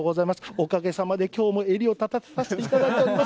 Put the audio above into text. おかげさまできょうも襟をたたさせていただいております。